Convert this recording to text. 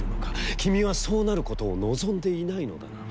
君は、そうなることを望んでいないのだな」。